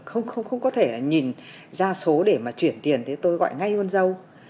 không có thể là nhìn ra số để mà chuyển tiền tôi gọi ngay hôn dâu